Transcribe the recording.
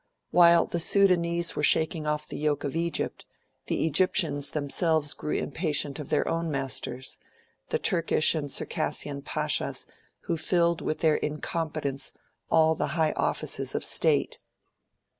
While the Sudanese were shaking off the yoke of Egypt, the Egyptians themselves grew impatient of their own masters the Turkish and Circassian Pashas who filled with their incompetence all the high offices of state.